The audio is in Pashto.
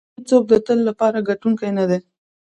هېڅوک د تل لپاره ګټونکی نه دی.